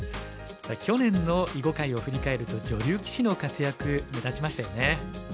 去年の囲碁界を振り返ると女流棋士の活躍目立ちましたよね。